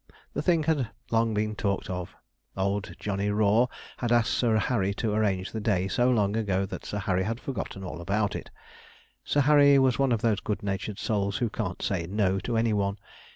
The thing had long been talked of. Old Johnny Raw had asked Sir Harry to arrange the day so long ago that Sir Harry had forgotten all about it. Sir Harry was one of those good natured souls who can't say 'No' to any one.